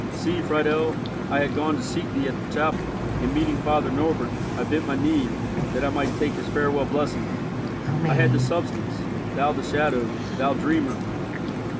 See, Friedel, I had gone to seek thee at the chapel, and meeting Father Norbert, I bent my knee, that I might take his farewell blessing. I had the substance, thou the shadow, thou dreamer!"